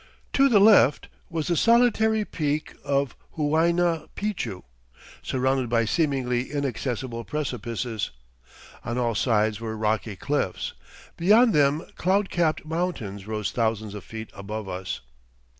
To the left was the solitary peak of Huayna Picchu, surrounded by seemingly inaccessible precipices. On all sides were rocky cliffs. Beyond them cloud capped mountains rose thousands of feet above us.